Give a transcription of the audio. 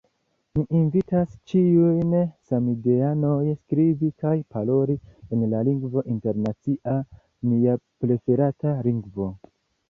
Mi invitas ĉiujn samideanojn skribi kaj paroli en la lingvo internacia, nia preferata lingvo.